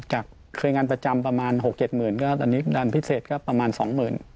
จากเครื่องงานประจำประมาณหกเจ็ดหมื่นก็ตอนนี้ดันพิเศษก็ประมาณสองหมื่น